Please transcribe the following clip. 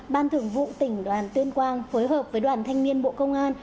ban thường vụ tỉnh đoàn tuyên quang phối hợp với đoàn thanh niên bộ công an